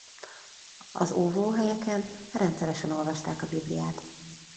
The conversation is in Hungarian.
Az óvóhelyeken rendszeresen olvasták a Bibliát.